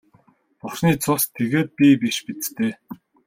Бурхны цус тэгээд би биш биз дээ.